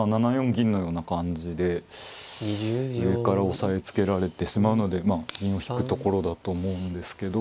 銀のような感じで上から押さえつけられてしまうのでまあ銀を引くところだと思うんですけど。